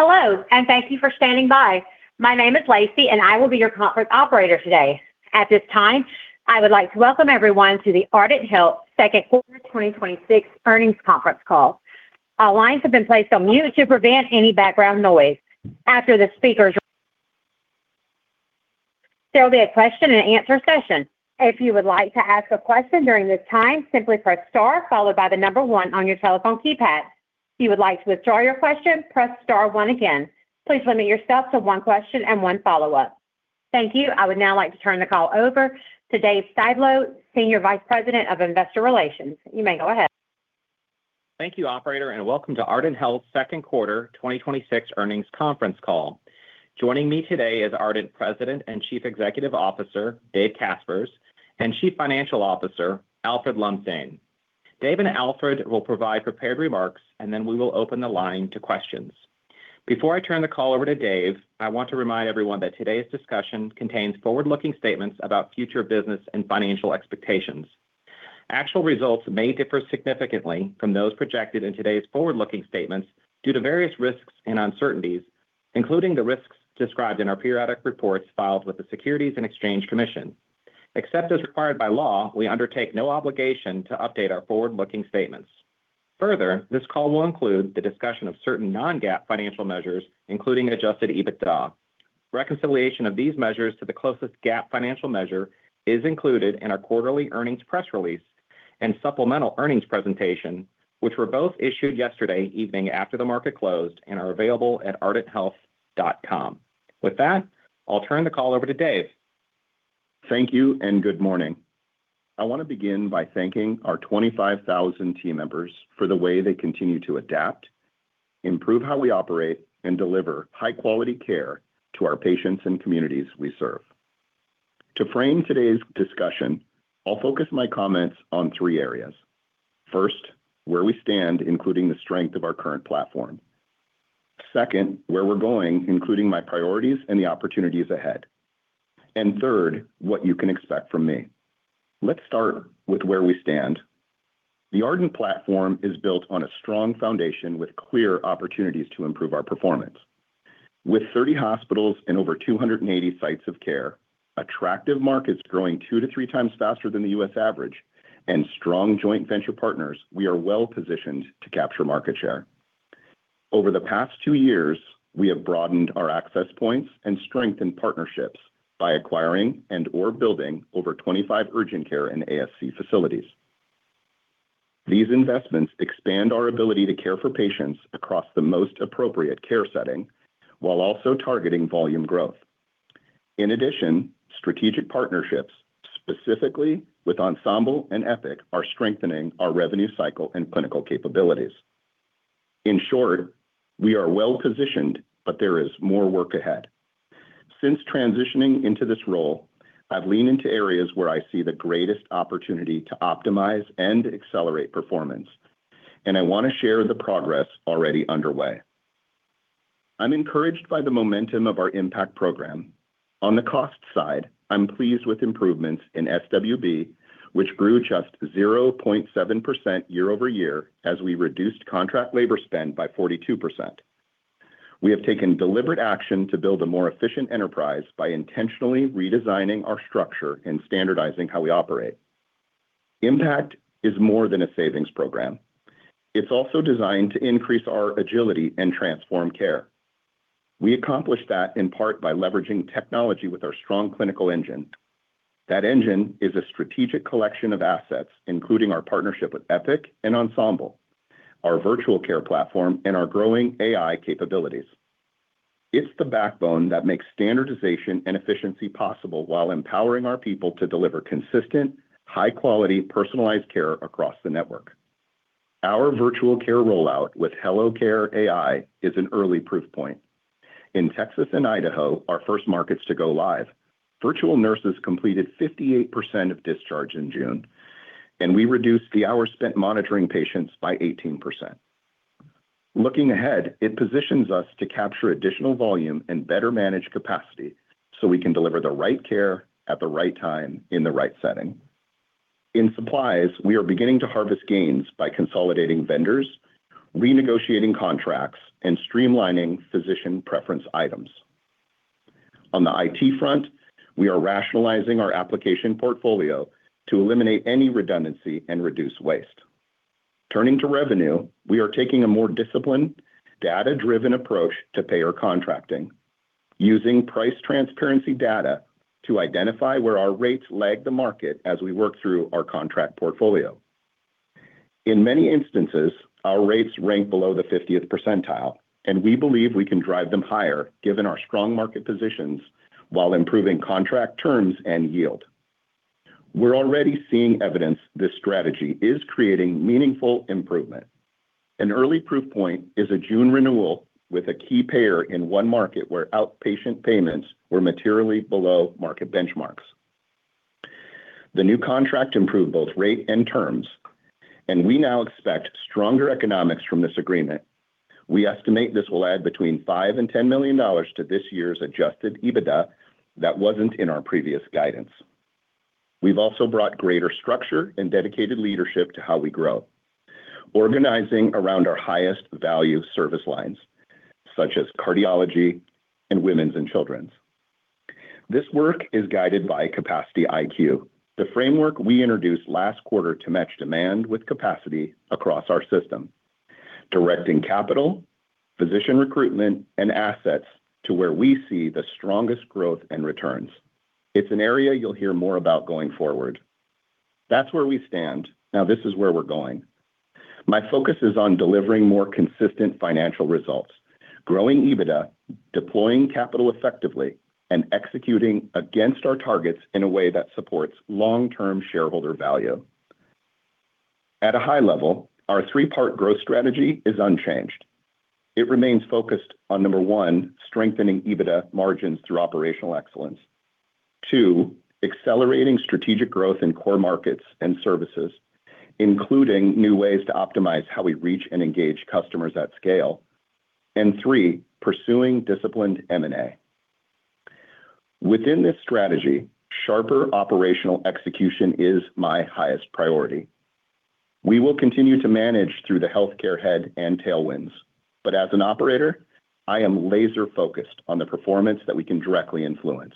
Hello, and thank you for standing by. My name is Lacey, and I will be your conference operator today. At this time, I would like to welcome everyone to the Ardent Health second quarter 2026 earnings conference call. All lines have been placed on mute to prevent any background noise. After the speakers, there will be a question-and-answer session. If you would like to ask a question during this time, simply press star followed by the number one on your telephone keypad. If you would like to withdraw your question, press star one again. Please limit yourself to one question and one follow-up. Thank you. I would now like to turn the call over to Dave Styblo, Senior Vice President of Investor Relations. You may go ahead. Thank you, operator, and welcome to Ardent Health's second quarter 2026 earnings conference call. Joining me today is Ardent President and Chief Executive Officer, Dave Caspers, and Chief Financial Officer, Alfred Lumsdaine. Dave and Alfred will provide prepared remarks, and then we will open the line to questions. Before I turn the call over to Dave, I want to remind everyone that today's discussion contains forward-looking statements about future business and financial expectations. Actual results may differ significantly from those projected in today's forward-looking statements due to various risks and uncertainties, including the risks described in our periodic reports filed with the Securities and Exchange Commission. Except as required by law, we undertake no obligation to update our forward-looking statements. Further, this call will include the discussion of certain non-GAAP financial measures, including adjusted EBITDA. Reconciliation of these measures to the closest GAAP financial measure is included in our quarterly earnings press release and supplemental earnings presentation, which were both issued yesterday evening after the market closed and are available at ardenthealth.com. With that, I'll turn the call over to Dave. Thank you and good morning. I want to begin by thanking our 25,000 team members for the way they continue to adapt, improve how we operate, and deliver high-quality care to our patients and communities we serve. To frame today's discussion, I'll focus my comments on three areas. First, where we stand, including the strength of our current platform. Second, where we're going, including my priorities and the opportunities ahead. Third, what you can expect from me. Let's start with where we stand. The Ardent platform is built on a strong foundation with clear opportunities to improve our performance. With 30 hospitals and over 280 sites of care, attractive markets growing 2x to 3x faster than the U.S. average, and strong joint venture partners, we are well-positioned to capture market share. Over the past two years, we have broadened our access points and strengthened partnerships by acquiring and/or building over 25 urgent care and ASC facilities. These investments expand our ability to care for patients across the most appropriate care setting while also targeting volume growth. In addition, strategic partnerships, specifically with Ensemble and Epic, are strengthening our revenue cycle and clinical capabilities. In short, we are well-positioned, but there is more work ahead. Since transitioning into this role, I've leaned into areas where I see the greatest opportunity to optimize and accelerate performance, and I want to share the progress already underway. I'm encouraged by the momentum of our IMPACT program. On the cost side, I'm pleased with improvements in SW&B, which grew just 0.7% year-over-year as we reduced contract labor spend by 42%. We have taken deliberate action to build a more efficient enterprise by intentionally redesigning our structure and standardizing how we operate. IMPACT is more than a savings program. It's also designed to increase our agility and transform care. We accomplish that in part by leveraging technology with our strong clinical engine. That engine is a strategic collection of assets, including our partnership with Epic and Ensemble, our virtual care platform, and our growing AI capabilities. It's the backbone that makes standardization and efficiency possible while empowering our people to deliver consistent, high-quality, personalized care across the network. Our virtual care rollout with hellocare.ai is an early proof point. In Texas and Idaho, our first markets to go live, virtual nurses completed 58% of discharge in June, and we reduced the hours spent monitoring patients by 18%. Looking ahead, it positions us to capture additional volume and better manage capacity so we can deliver the right care at the right time in the right setting. In supplies, we are beginning to harvest gains by consolidating vendors, renegotiating contracts, and streamlining physician preference items. On the IT front, we are rationalizing our application portfolio to eliminate any redundancy and reduce waste. Turning to revenue, we are taking a more disciplined, data-driven approach to payer contracting using price transparency data to identify where our rates lag the market as we work through our contract portfolio. In many instances, our rates rank below the 50th percentile, and we believe we can drive them higher given our strong market positions while improving contract terms and yield. We're already seeing evidence this strategy is creating meaningful improvement. An early proof point is a June renewal with a key payer in one market where outpatient payments were materially below market benchmarks. The new contract improved both rate and terms, and we now expect stronger economics from this agreement. We estimate this will add between $5 million and $10 million to this year's adjusted EBITDA that wasn't in our previous guidance. We've also brought greater structure and dedicated leadership to how we grow. Organizing around our highest value service lines, such as cardiology and women's and children's. This work is guided by Capacity IQ, the framework we introduced last quarter to match demand with capacity across our system. Directing capital, physician recruitment, and assets to where we see the strongest growth and returns. It's an area you'll hear more about going forward. That's where we stand. This is where we're going. My focus is on delivering more consistent financial results, growing EBITDA, deploying capital effectively, and executing against our targets in a way that supports long-term shareholder value. At a high level, our three-part growth strategy is unchanged. It remains focused on, number one, strengthening EBITDA margins through operational excellence. Two, accelerating strategic growth in core markets and services, including new ways to optimize how we reach and engage customers at scale. Three, pursuing disciplined M&A. Within this strategy, sharper operational execution is my highest priority. We will continue to manage through the healthcare head and tailwinds, but as an operator, I am laser focused on the performance that we can directly influence.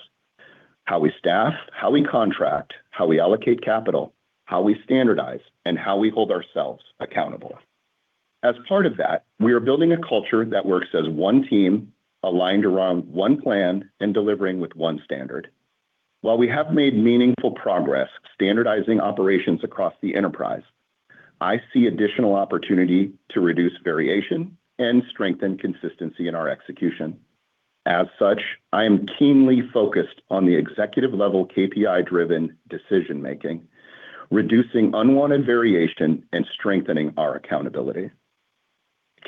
How we staff, how we contract, how we allocate capital, how we standardize, and how we hold ourselves accountable. As part of that, we are building a culture that works as one team, aligned around one plan and delivering with one standard. While we have made meaningful progress standardizing operations across the enterprise, I see additional opportunity to reduce variation and strengthen consistency in our execution. As such, I am keenly focused on the executive level KPI-driven decision-making, reducing unwanted variation and strengthening our accountability.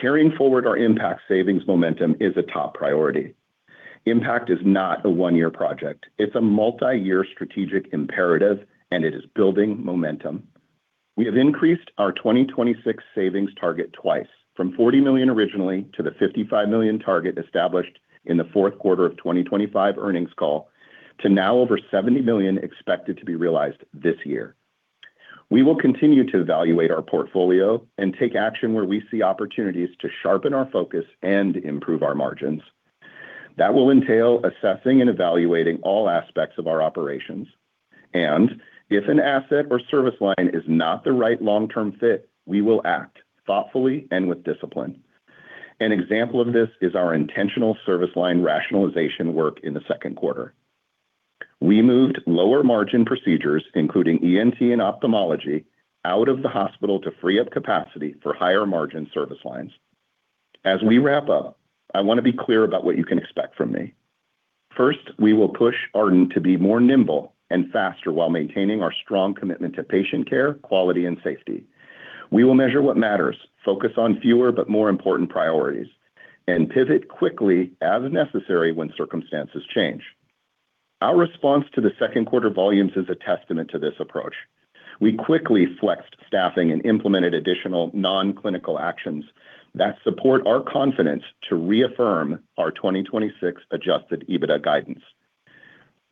Carrying forward our IMPACT savings momentum is a top priority. IMPACT is not a one-year project. It's a multi-year strategic imperative, and it is building momentum. We have increased our 2026 savings target twice, from $40 million originally to the $55 million target established in the fourth quarter of 2025 earnings call, to now over $70 million expected to be realized this year. We will continue to evaluate our portfolio and take action where we see opportunities to sharpen our focus and improve our margins. That will entail assessing and evaluating all aspects of our operations, and if an asset or service line is not the right long-term fit, we will act thoughtfully and with discipline. An example of this is our intentional service line rationalization work in the second quarter. We moved lower margin procedures, including ENT and ophthalmology, out of the hospital to free up capacity for higher margin service lines. As we wrap up, I want to be clear about what you can expect from me. First, we will push Ardent to be more nimble and faster while maintaining our strong commitment to patient care, quality, and safety. We will measure what matters, focus on fewer but more important priorities, and pivot quickly as necessary when circumstances change. Our response to the second quarter volumes is a testament to this approach. We quickly flexed staffing and implemented additional non-clinical actions that support our confidence to reaffirm our 2026 adjusted EBITDA guidance.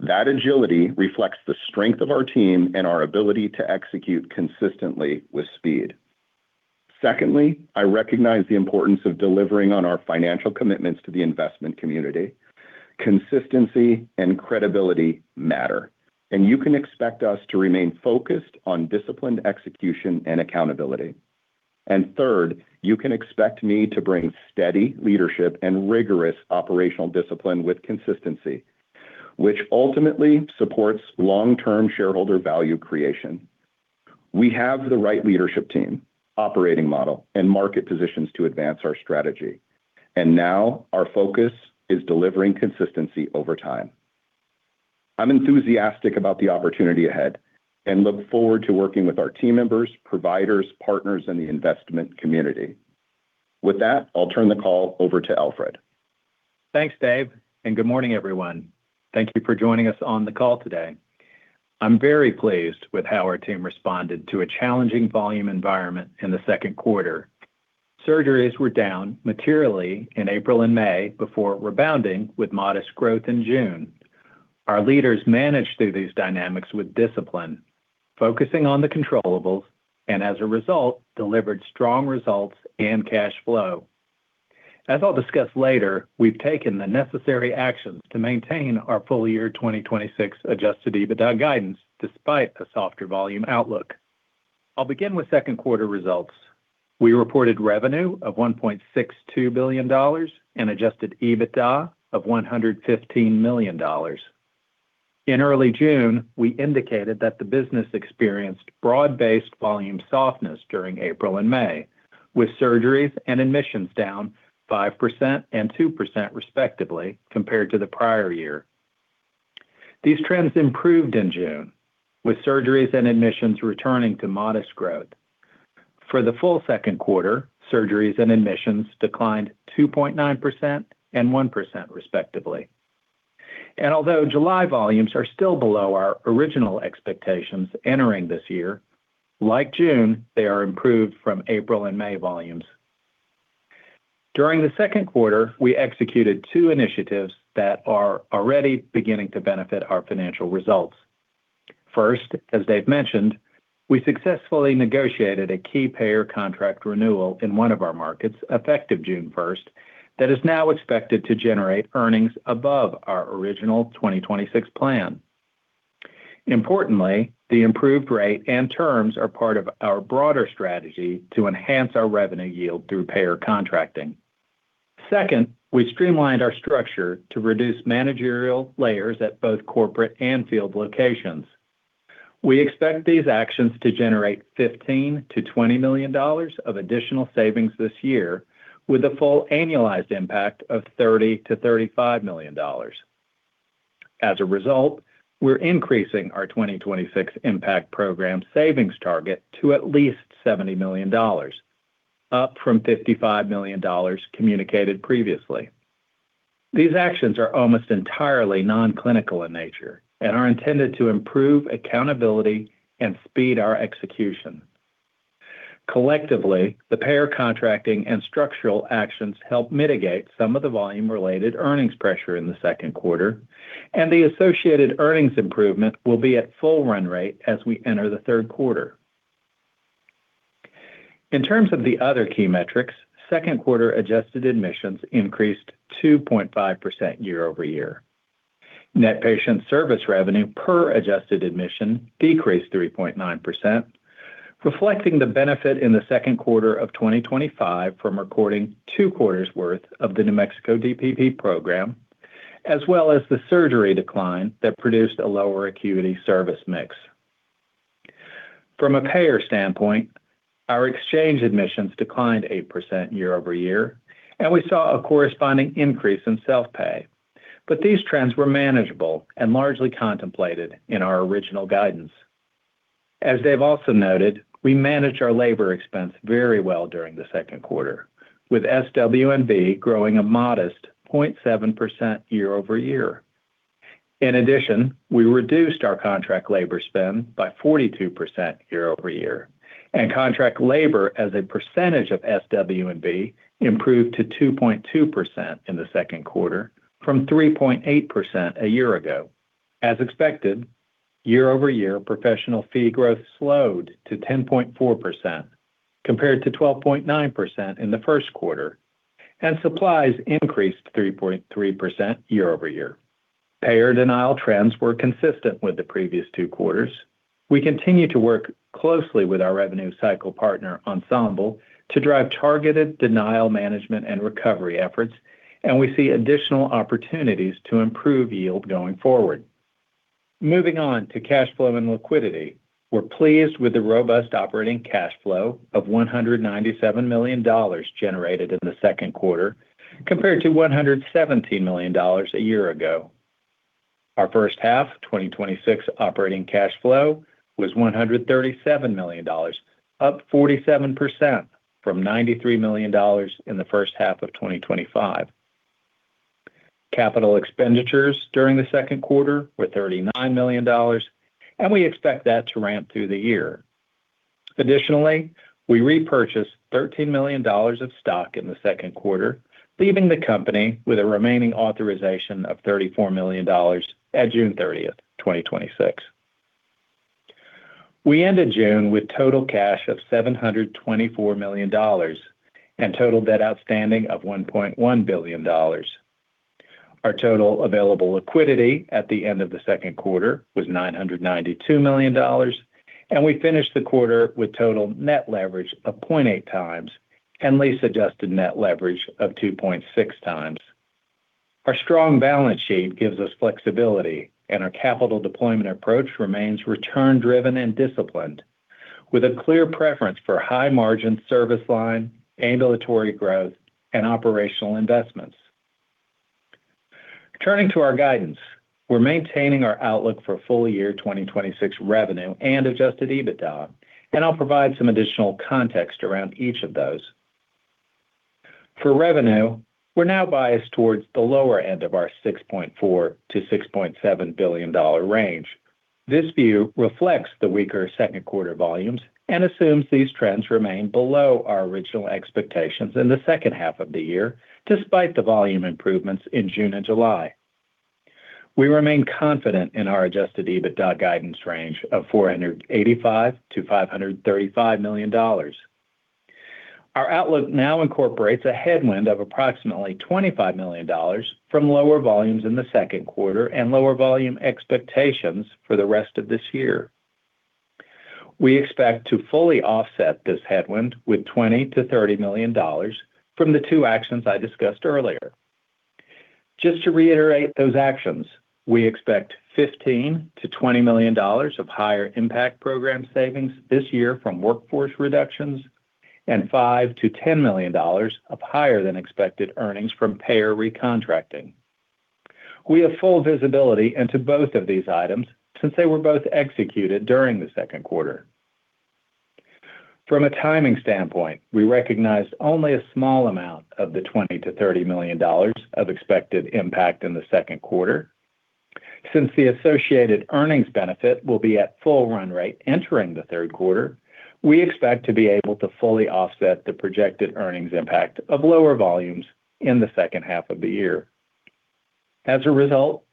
That agility reflects the strength of our team and our ability to execute consistently with speed. Secondly, I recognize the importance of delivering on our financial commitments to the investment community. Consistency and credibility matter, and you can expect us to remain focused on disciplined execution and accountability. Third, you can expect me to bring steady leadership and rigorous operational discipline with consistency, which ultimately supports long-term shareholder value creation. We have the right leadership team, operating model, and market positions to advance our strategy, and now our focus is delivering consistency over time. I'm enthusiastic about the opportunity ahead and look forward to working with our team members, providers, partners, and the investment community. With that, I'll turn the call over to Alfred. Thanks, Dave, good morning, everyone. Thank you for joining us on the call today. I'm very pleased with how our team responded to a challenging volume environment in the second quarter. Surgeries were down materially in April and May before rebounding with modest growth in June. Our leaders managed through these dynamics with discipline, focusing on the controllables, and as a result, delivered strong results and cash flow. As I'll discuss later, we've taken the necessary actions to maintain our full year 2026 adjusted EBITDA guidance despite a softer volume outlook. I'll begin with second quarter results. We reported revenue of $1.62 billion and adjusted EBITDA of $115 million. In early June, we indicated that the business experienced broad-based volume softness during April and May, with surgeries and admissions down 5% and 2% respectively compared to the prior year. These trends improved in June, with surgeries and admissions returning to modest growth. For the full second quarter, surgeries and admissions declined 2.9% and 1% respectively. Although July volumes are still below our original expectations entering this year, like June, they are improved from April and May volumes. During the second quarter, we executed two initiatives that are already beginning to benefit our financial results. First, as Dave mentioned, we successfully negotiated a key payer contract renewal in one of our markets effective June 1st that is now expected to generate earnings above our original 2026 plan. Importantly, the improved rate and terms are part of our broader strategy to enhance our revenue yield through payer contracting. Second, we streamlined our structure to reduce managerial layers at both corporate and field locations. We expect these actions to generate $15 million-$20 million of additional savings this year, with a full annualized impact of $30 million-$35 million. As a result, we're increasing our 2026 IMPACT Program savings target to at least $70 million, up from $55 million communicated previously. These actions are almost entirely non-clinical in nature and are intended to improve accountability and speed our execution. Collectively, the payer contracting and structural actions help mitigate some of the volume-related earnings pressure in the second quarter, and the associated earnings improvement will be at full run rate as we enter the third quarter. In terms of the other key metrics, second quarter adjusted admissions increased 2.5% year-over-year. Net patient service revenue per adjusted admission decreased 3.9%, reflecting the benefit in the second quarter of 2025 from recording two quarters' worth of the New Mexico DPP program, as well as the surgery decline that produced a lower acuity service mix. From a payer standpoint, our exchange admissions declined 8% year-over-year, and we saw a corresponding increase in self-pay. These trends were manageable and largely contemplated in our original guidance. As Dave also noted, we managed our labor expense very well during the second quarter, with SW&B growing a modest 0.7% year-over-year. In addition, we reduced our contract labor spend by 42% year-over-year, and contract labor as a percentage of SW&B improved to 2.2% in the second quarter from 3.8% a year ago. As expected, year-over-year professional fee growth slowed to 10.4% compared to 12.9% in the first quarter, and supplies increased 3.3% year-over-year. Payer denial trends were consistent with the previous two quarters. We continue to work closely with our revenue cycle partner, Ensemble, to drive targeted denial management and recovery efforts, and we see additional opportunities to improve yield going forward. Moving on to cash flow and liquidity, we're pleased with the robust operating cash flow of $197 million generated in the second quarter compared to $117 million a year ago. Our first half 2026 operating cash flow was $137 million, up 47% from $93 million in the first half of 2025. Capital expenditures during the second quarter were $39 million, and we expect that to ramp through the year. We repurchased $13 million of stock in the second quarter, leaving the company with a remaining authorization of $34 million at June 30th, 2026. We ended June with total cash of $724 million and total debt outstanding of $1.1 billion. Our total available liquidity at the end of the second quarter was $992 million, and we finished the quarter with total net leverage of 0.8x and lease-adjusted net leverage of 2.6x. Our strong balance sheet gives us flexibility, and our capital deployment approach remains return-driven and disciplined, with a clear preference for high-margin service line, ambulatory growth, and operational investments. Turning to our guidance, we're maintaining our outlook for full-year 2026 revenue and adjusted EBITDA, I'll provide some additional context around each of those. For revenue, we're now biased towards the lower end of our $6.4 billion-$6.7 billion range. This view reflects the weaker second quarter volumes and assumes these trends remain below our original expectations in the second half of the year, despite the volume improvements in June and July. We remain confident in our adjusted EBITDA guidance range of $485 million-$535 million. Our outlook now incorporates a headwind of approximately $25 million from lower volumes in the second quarter and lower volume expectations for the rest of this year. We expect to fully offset this headwind with $20 million-$30 million from the two actions I discussed earlier. Just to reiterate those actions, we expect $15 million-$20 million of higher IMPACT Program savings this year from workforce reductions and $5 million-$10 million of higher than expected earnings from payer recontracting. We have full visibility into both of these items since they were both executed during the second quarter. From a timing standpoint, we recognized only a small amount of the $20 million-$30 million of expected impact in the second quarter. Since the associated earnings benefit will be at full run rate entering the third quarter, we expect to be able to fully offset the projected earnings impact of lower volumes in the second half of the year. As a result,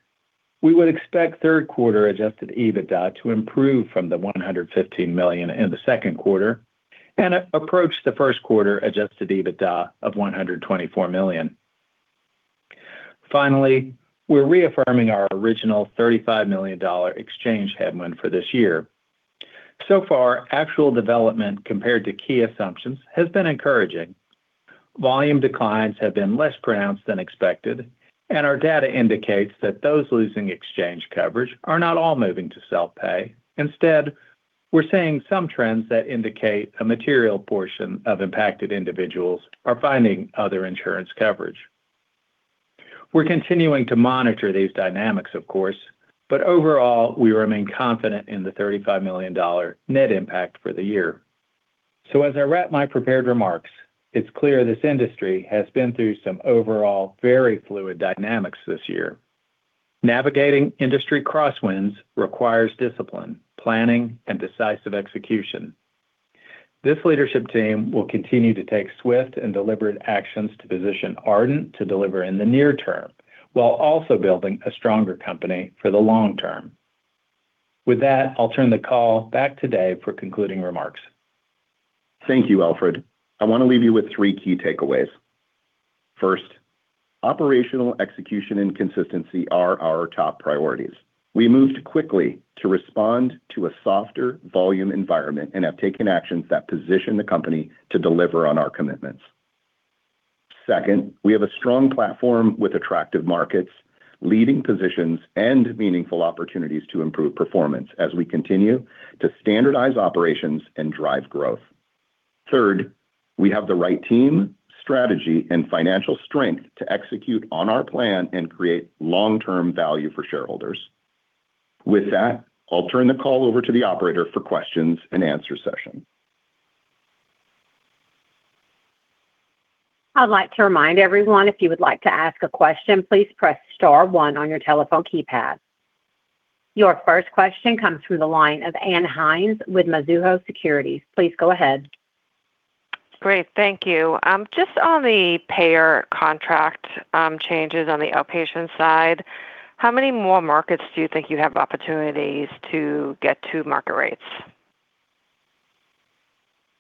we would expect third quarter adjusted EBITDA to improve from the $115 million in the second quarter and approach the first quarter adjusted EBITDA of $124 million. We're reaffirming our original $35 million exchange headwind for this year. Far, actual development compared to key assumptions has been encouraging. Volume declines have been less pronounced than expected, and our data indicates that those losing exchange coverage are not all moving to self-pay. We're seeing some trends that indicate a material portion of impacted individuals are finding other insurance coverage. We're continuing to monitor these dynamics of course, but overall, we remain confident in the $35 million net impact for the year. As I wrap my prepared remarks, it's clear this industry has been through some overall very fluid dynamics this year. Navigating industry crosswinds requires discipline, planning, and decisive execution. This leadership team will continue to take swift and deliberate actions to position Ardent to deliver in the near term, while also building a stronger company for the long term. With that, I'll turn the call back to Dave for concluding remarks. Thank you, Alfred. I want to leave you with three key takeaways. First, operational execution and consistency are our top priorities. We moved quickly to respond to a softer volume environment and have taken actions that position the company to deliver on our commitments. Second, we have a strong platform with attractive markets, leading positions, and meaningful opportunities to improve performance as we continue to standardize operations and drive growth. Third, we have the right team, strategy, and financial strength to execute on our plan and create long-term value for shareholders. With that, I'll turn the call over to the operator for questions and answer session. I'd like to remind everyone, if you would like to ask a question, please press star one on your telephone keypad. Your first question comes through the line of Ann Hynes with Mizuho Securities. Please go ahead. Great. Thank you. Just on the payer contract changes on the outpatient side, how many more markets do you think you have opportunities to get to market rates?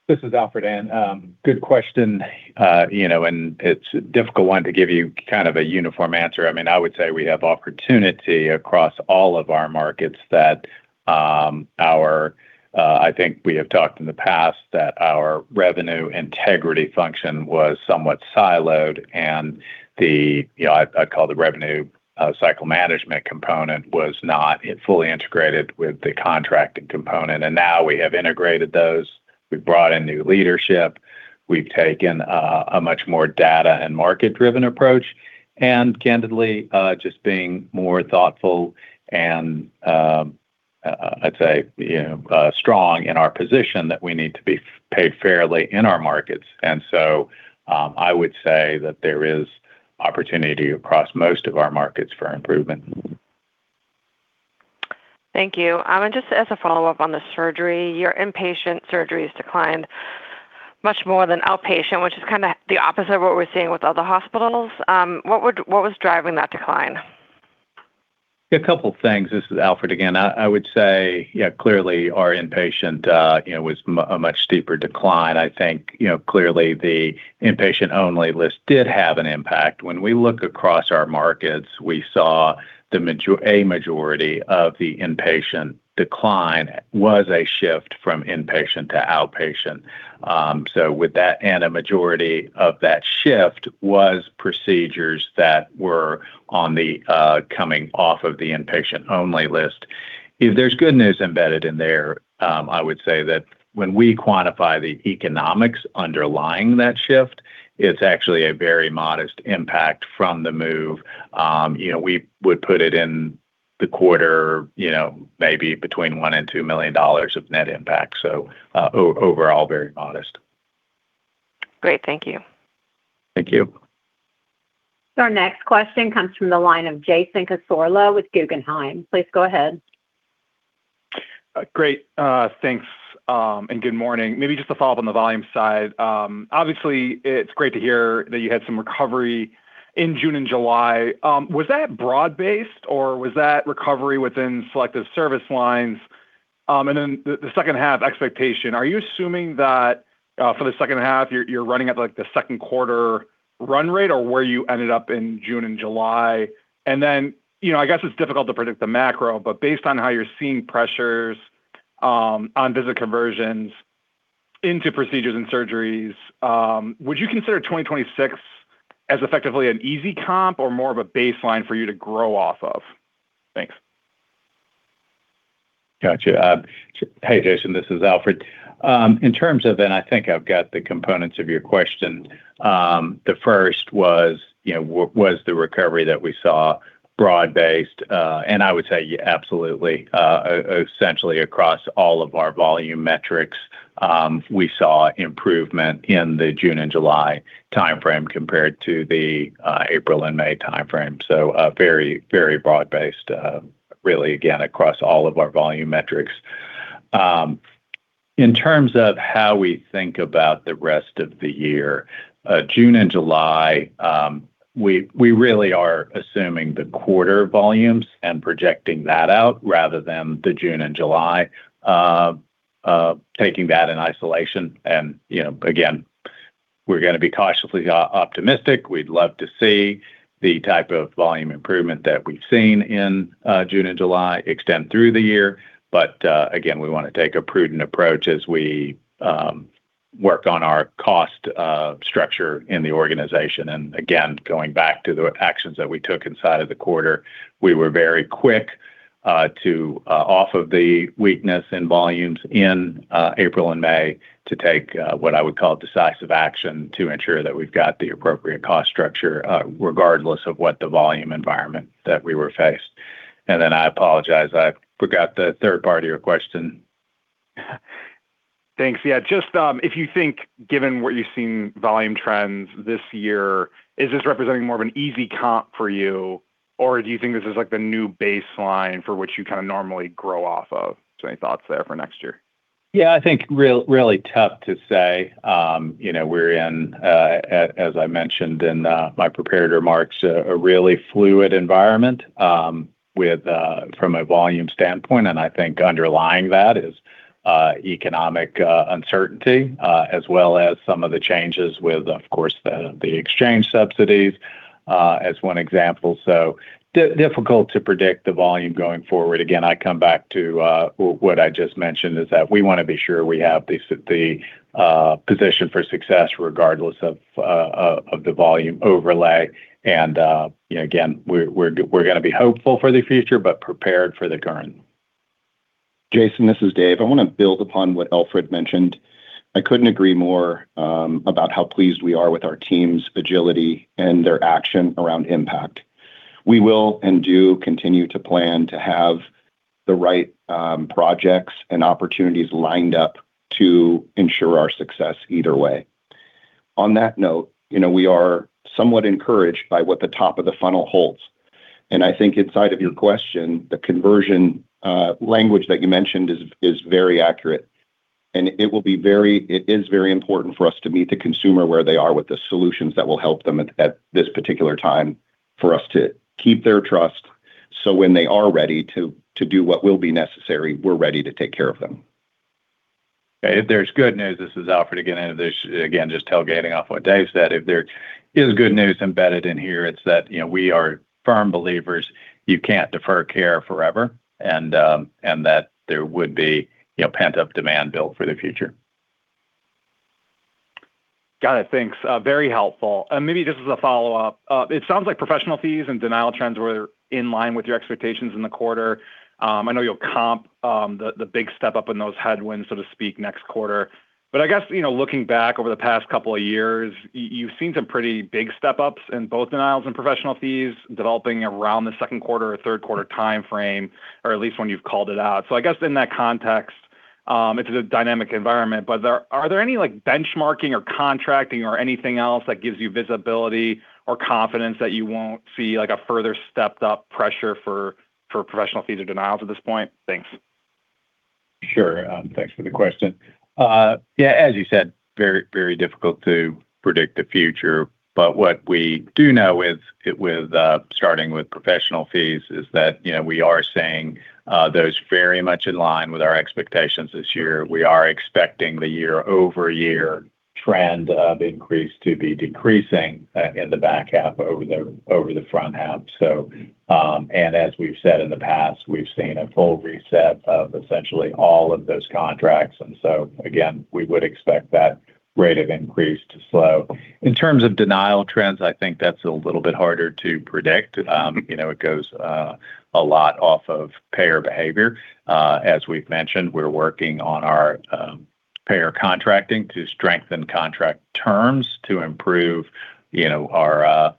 This is Alfred, Ann. Good question. It's a difficult one to give you a uniform answer. I would say we have opportunity across all of our markets. I think we have talked in the past, that our revenue integrity function was somewhat siloed and the, I'd call the revenue cycle management component, was not fully integrated with the contracting component. Now we have integrated those. We've brought in new leadership. We've taken a much more data and market-driven approach, and candidly, just being more thoughtful and, I'd say, strong in our position that we need to be paid fairly in our markets. I would say that there is opportunity across most of our markets for improvement. Thank you. Just as a follow-up on the surgery, your inpatient surgeries declined much more than outpatient, which is the opposite of what we're seeing with other hospitals. What was driving that decline? A couple of things. This is Alfred again. I would say, clearly our inpatient was a much steeper decline. I think, clearly the inpatient-only list did have an impact. When we look across our markets, we saw a majority of the inpatient decline was a shift from inpatient to outpatient. A majority of that shift was procedures that were on the coming off of the inpatient-only list. There's good news embedded in there. I would say that when we quantify the economics underlying that shift, it's actually a very modest impact from the move. We would put it in the quarter, maybe between $1 million and $2 million of net impact. Overall, very modest. Great. Thank you. Thank you. Our next question comes from the line of Jason Cassorla with Guggenheim. Please go ahead. Great. Thanks, and good morning. Maybe just to follow up on the volume side. Obviously, it's great to hear that you had some recovery in June and July. Was that broad-based, or was that recovery within selective service lines? The second half expectation, are you assuming that for the second half, you're running at the second quarter run rate, or where you ended up in June and July? I guess it's difficult to predict the macro, but based on how you're seeing pressures on visit conversions into procedures and surgeries, would you consider 2026 as effectively an easy comp or more of a baseline for you to grow off of? Thanks. Got you. Hey, Jason, this is Alfred. In terms of, I think I've got the components of your question. The first was the recovery that we saw broad-based. I would say absolutely, essentially across all of our volume metrics. We saw improvement in the June and July timeframe compared to the April and May timeframe. Very broad-based, really, again, across all of our volume metrics. In terms of how we think about the rest of the year, June and July, we really are assuming the quarter volumes and projecting that out, rather than the June and July, taking that in isolation. Again, we're going to be cautiously optimistic. We'd love to see the type of volume improvement that we've seen in June and July extend through the year. Again, we want to take a prudent approach as we work on our cost structure in the organization. Again, going back to the actions that we took inside of the quarter, we were very quick to, off of the weakness in volumes in April and May, to take what I would call decisive action to ensure that we've got the appropriate cost structure, regardless of what the volume environment that we were faced. I apologize, I forgot the third part of your question. Thanks. Yeah. Just if you think, given what you've seen volume trends this year, is this representing more of an easy comp for you, or do you think this is like the new baseline for what you kind of normally grow off of? Any thoughts there for next year? Yeah, I think really tough to say. We're in, as I mentioned in my prepared remarks, a really fluid environment from a volume standpoint. I think underlying that is economic uncertainty, as well as some of the changes with, of course, the exchange subsidies as one example. Difficult to predict the volume going forward. Again, I come back to what I just mentioned, is that we want to be sure we have the position for success regardless of the volume overlay. Again, we're going to be hopeful for the future, but prepared for the current. Jason, this is Dave. I want to build upon what Alfred mentioned. I couldn't agree more about how pleased we are with our team's agility and their action around IMPACT. We will, and do, continue to plan to have the right projects and opportunities lined up to ensure our success either way. On that note, we are somewhat encouraged by what the top of the funnel holds. I think inside of your question, the conversion language that you mentioned is very accurate, and it is very important for us to meet the consumer where they are with the solutions that will help them at this particular time for us to keep their trust. When they are ready to do what will be necessary, we're ready to take care of them. If there's good news, this is Alfred again. Again, just tailgating off what Dave Caspers said. If there is good news embedded in here, it's that we are firm believers you can't defer care forever, and that there would be pent-up demand built for the future. Got it. Thanks. Very helpful. Maybe just as a follow-up. It sounds like professional fees and denial trends were in line with your expectations in the quarter. I know you'll comp the big step-up in those headwinds, so to speak, next quarter. I guess, looking back over the past couple of years, you've seen some pretty big step-ups in both denials and professional fees developing around the second quarter or third quarter timeframe, or at least when you've called it out. I guess in that context, it's a dynamic environment, but are there any benchmarking or contracting or anything else that gives you visibility or confidence that you won't see a further stepped-up pressure for professional fees or denials at this point? Thanks. Sure. Thanks for the question. As you said, very difficult to predict the future. What we do know with starting with professional fees is that we are seeing those very much in line with our expectations this year. We are expecting the year-over-year trend of increase to be decreasing in the back half over the front half. As we've said in the past, we've seen a full reset of essentially all of those contracts, and so again, we would expect that rate of increase to slow. In terms of denial trends, I think that's a little bit harder to predict. It goes a lot off of payer behavior. As we've mentioned, we're working on our payer contracting to strengthen contract terms to improve our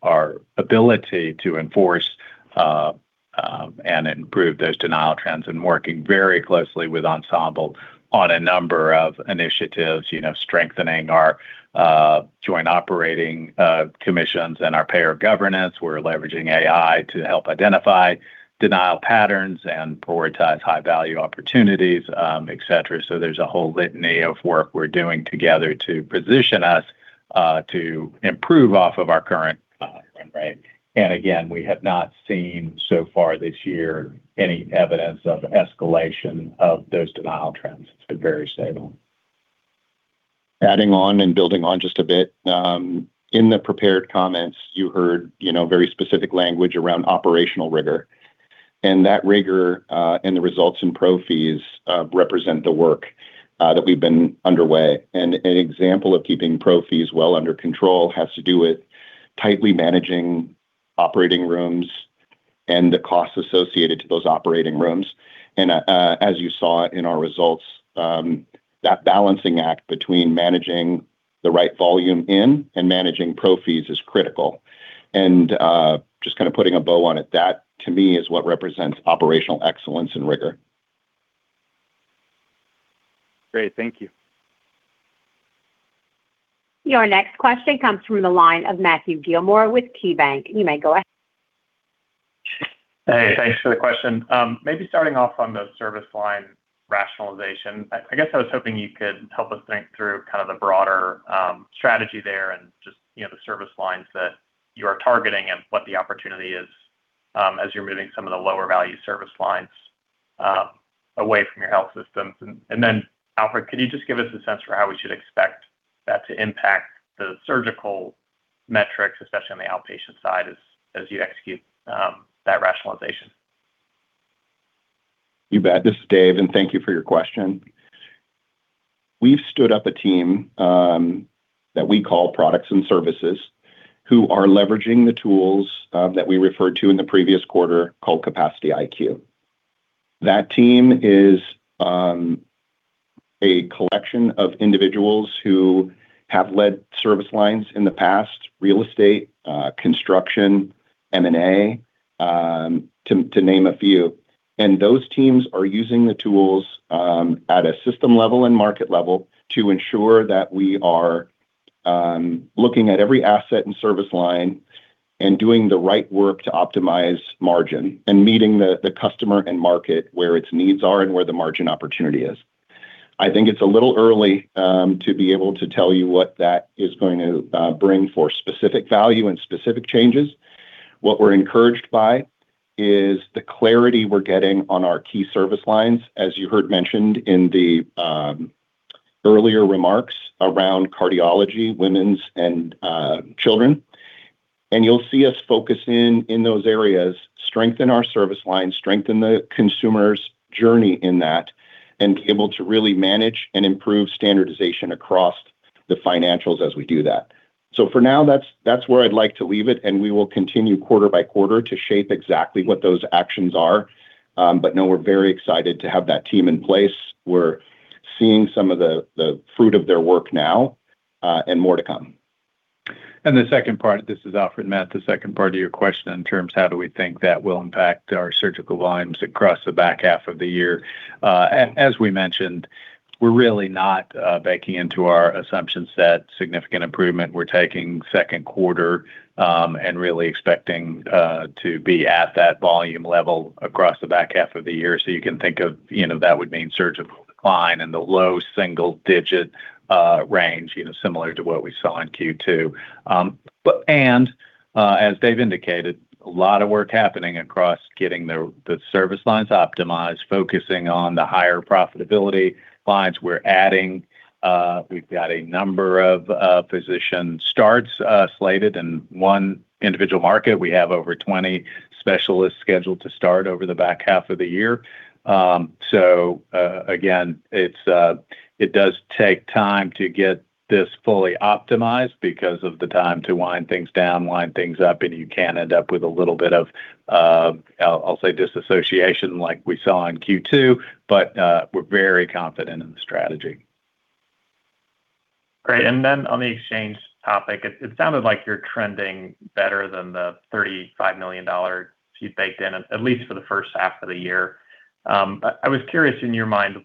ability to enforce and improve those denial trends and working very closely with Ensemble Health Partners on a number of initiatives, strengthening our Joint Operating Committees and our payer governance. We're leveraging AI to help identify denial patterns and prioritize high-value opportunities, et cetera. There's a whole litany of work we're doing together to position us to improve off of our current trend. Again, we have not seen so far this year any evidence of escalation of those denial trends. It's been very stable. Adding on and building on just a bit. In the prepared comments, you heard very specific language around operational rigor. That rigor, and the results in pro fees, represent the work that we've been underway. An example of keeping pro fees well under control has to do with tightly managing operating rooms and the costs associated to those operating rooms. As you saw in our results, that balancing act between managing the right volume in and managing pro fees is critical. Just kind of putting a bow on it, that to me is what represents operational excellence and rigor. Great. Thank you. Your next question comes through the line of Matthew Gilmore with KeyBanc. You may go ahead. Hey, thanks for the question. Maybe starting off on the service line rationalization, I guess I was hoping you could help us think through kind of the broader strategy there and just the service lines that you are targeting and what the opportunity is as you're moving some of the lower value service lines away from your health systems. Alfred, could you just give us a sense for how we should expect that to impact the surgical metrics, especially on the outpatient side as you execute that rationalization? You bet. This is Dave, and thank you for your question. We've stood up a team that we call Products and Services, who are leveraging the tools that we referred to in the previous quarter called Capacity IQ. That team is a collection of individuals who have led service lines in the past, real estate, construction, M&A, to name a few. Those teams are using the tools at a system level and market level to ensure that we are looking at every asset and service line and doing the right work to optimize margin and meeting the customer and market where its needs are and where the margin opportunity is. I think it's a little early to be able to tell you what that is going to bring for specific value and specific changes. What we're encouraged by is the clarity we're getting on our key service lines, as you heard mentioned in the earlier remarks around cardiology, women's, and children. You'll see us focus in those areas, strengthen our service lines, strengthen the consumer's journey in that, and be able to really manage and improve standardization across the financials as we do that. For now, that's where I'd like to leave it, and we will continue quarter by quarter to shape exactly what those actions are. No, we're very excited to have that team in place. We're seeing some of the fruit of their work now, and more to come. The second part, this is Alfred, Matt, the second part of your question in terms how do we think that will impact our surgical volumes across the back half of the year. As we mentioned, we're really not baking into our assumption set significant improvement. We're taking second quarter, and really expecting to be at that volume level across the back half of the year. You can think of, that would mean surgical decline in the low single-digit range, similar to what we saw in Q2. As Dave indicated, a lot of work happening across getting the service lines optimized, focusing on the higher profitability lines we're adding. We've got a number of physician starts slated. In one individual market, we have over 20 specialists scheduled to start over the back half of the year. Again, it does take time to get this fully optimized because of the time to wind things down, wind things up, and you can end up with a little bit of, I'll say, disassociation like we saw in Q2, but we're very confident in the strategy. Great. Then on the exchange topic, it sounded like you're trending better than the $35 million you'd baked in, at least for the first half of the year. I was curious in your mind,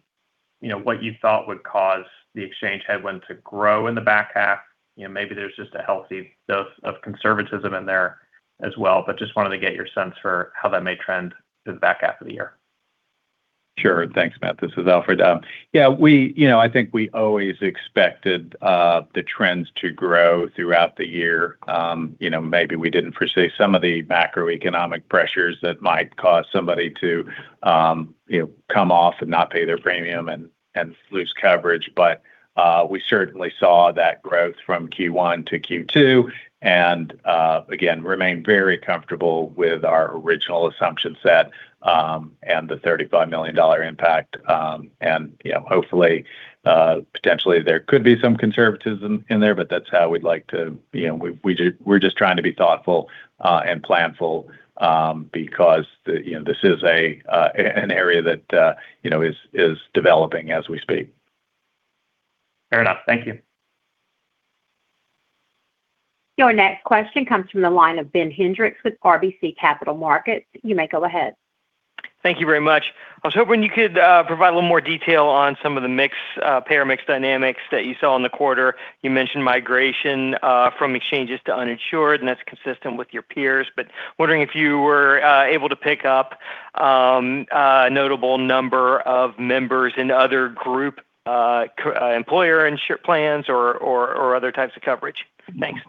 what you thought would cause the exchange headwind to grow in the back half. Maybe there's just a healthy dose of conservatism in there as well, but just wanted to get your sense for how that may trend through the back half of the year. Sure. Thanks, Matthew. This is Alfred. I think we always expected the trends to grow throughout the year. Maybe we didn't foresee some of the macroeconomic pressures that might cause somebody to come off and not pay their premium and lose coverage. We certainly saw that growth from Q1 to Q2, and again, remain very comfortable with our original assumption set, and the $35 million impact. Hopefully, potentially there could be some conservatism in there, but that's how we'd like to, we're just trying to be thoughtful and planful, because this is an area that is developing as we speak. Fair enough. Thank you. Your next question comes from the line of Ben Hendrix with RBC Capital Markets. You may go ahead. Thank you very much. I was hoping you could provide a little more detail on some of the payer mix dynamics that you saw in the quarter. You mentioned migration from exchanges to uninsured, That's consistent with your peers, but wondering if you were able to pick up a notable number of members in other group employer plans or other types of coverage. Thanks.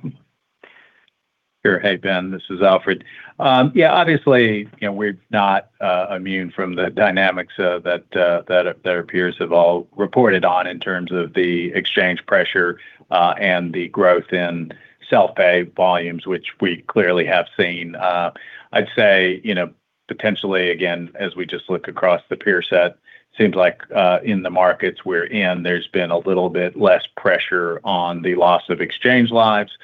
Sure. Hey, Ben. This is Alfred. Obviously, we're not immune from the dynamics that our peers have all reported on in terms of the exchange pressure, The growth in self-pay volumes, which we clearly have seen. I'd say, potentially again, as we just look across the peer set, seems like in the markets we're in, there's been a little bit less pressure on the loss of exchange lives.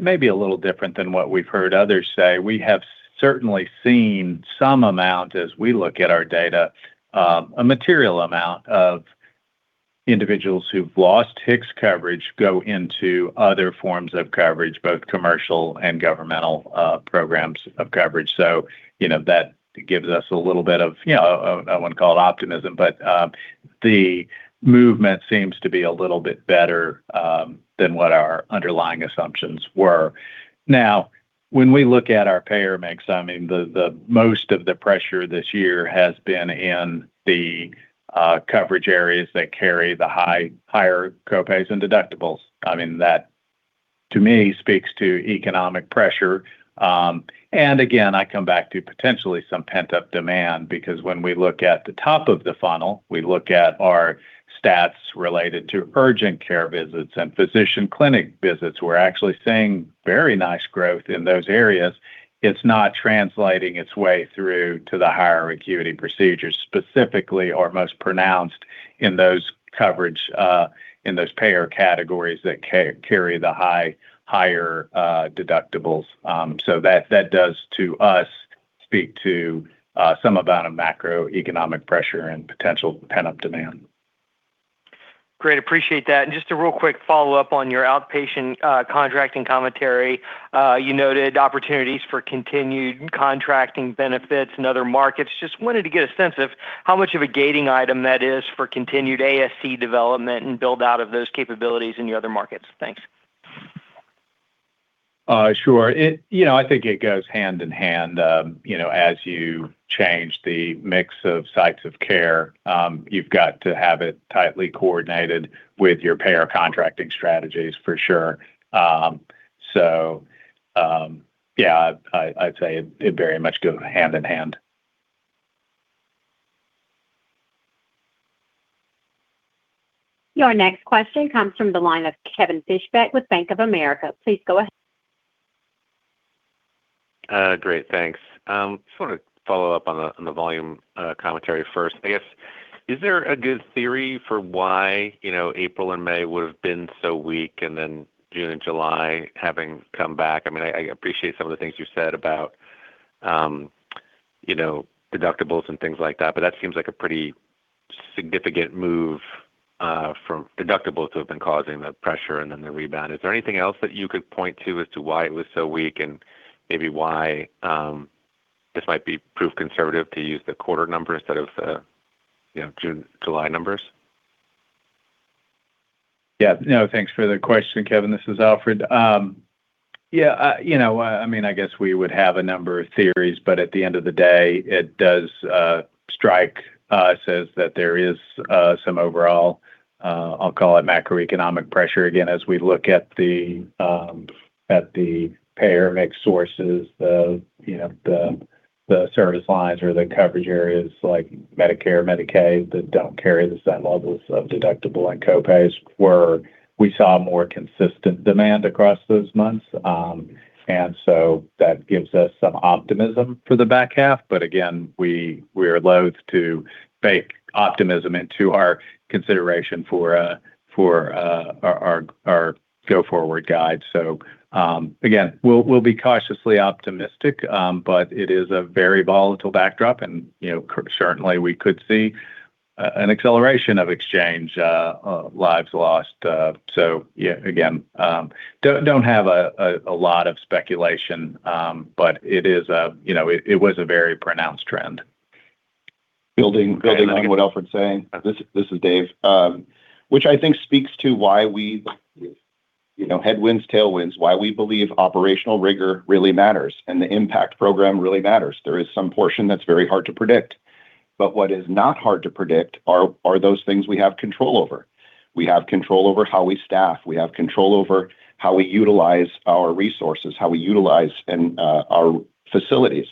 Maybe a little different than what we've heard others say. We have certainly seen some amount as we look at our data, a material amount of individuals who've lost HIX coverage go into other forms of coverage, both commercial and governmental programs of coverage. That gives us a little bit of, I wouldn't call it optimism, but the movement seems to be a little bit better than what our underlying assumptions were. When we look at our payer mix, the most of the pressure this year has been in the coverage areas that carry the higher co-pays and deductibles. That, to me, speaks to economic pressure. Again, I come back to potentially some pent-up demand because when we look at the top of the funnel, we look at our stats related to urgent care visits and physician clinic visits. We're actually seeing very nice growth in those areas. It's not translating its way through to the higher acuity procedures, specifically or most pronounced in those payer categories that carry the higher deductibles. That does, to us, speak to some amount of macroeconomic pressure and potential pent-up demand. Great. Appreciate that. Just a real quick follow-up on your outpatient contracting commentary. You noted opportunities for continued contracting benefits in other markets. Just wanted to get a sense of how much of a gating item that is for continued ASC development and build-out of those capabilities in your other markets. Thanks. Sure. I think it goes hand in hand. As you change the mix of sites of care, you've got to have it tightly coordinated with your payer contracting strategies for sure. Yeah, I'd say it very much goes hand in hand. Your next question comes from the line of Kevin Fischbeck with Bank of America. Please go ahead. Great, thanks. Just want to follow up on the volume commentary first. Is there a good theory for why April and May would have been so weak? June and July having come back? I appreciate some of the things you said about deductibles and things like that seems like a pretty significant move from deductibles that have been causing the pressure and then the rebound. Is there anything else that you could point to as to why it was so weak and maybe why this might be proof conservative to use the quarter number instead of the June, July numbers? No, thanks for the question, Kevin. This is Alfred. I guess we would have a number of theories, but at the end of the day, it does strike us as that there is some overall, I'll call it macroeconomic pressure. Again, as we look at the payer mix sources, the service lines or the coverage areas like Medicare, Medicaid that don't carry the same levels of deductible and co-pays where we saw more consistent demand across those months. That gives us some optimism for the back half. Again, we are loath to bake optimism into our consideration for our go-forward guide. Again, we'll be cautiously optimistic. It is a very volatile backdrop and certainly, we could see an acceleration of exchange lives lost. Again, don't have a lot of speculation. It was a very pronounced trend. Building on what Alfred's saying, this is Dave. I think speaks to why we, headwinds, tailwinds, why we believe operational rigor really matters, and the IMPACT program really matters. There is some portion that's very hard to predict. What is not hard to predict are those things we have control over. We have control over how we staff. We have control over how we utilize our resources, how we utilize our facilities.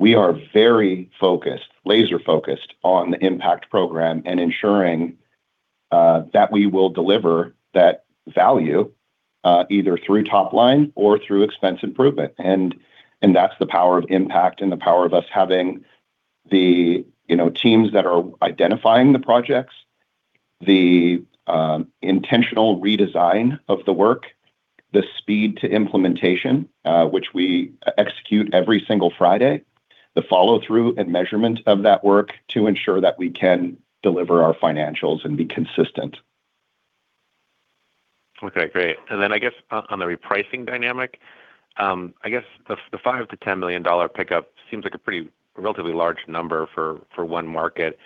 We are very focused, laser focused, on the IMPACT program and ensuring that we will deliver that value, either through top line or through expense improvement. That's the power of IMPACT and the power of us having the teams that are identifying the projects, the intentional redesign of the work, the speed to implementation, which we execute every single Friday, the follow-through and measurement of that work to ensure that we can deliver our financials and be consistent. Okay, great. I guess on the repricing dynamic, I guess the $5 million-$10 million pickup seems like a pretty relatively large number for one market.